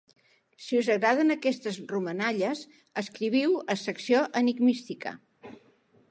Si us agraden aquestes romanalles, escriviu a Secció Enigmística.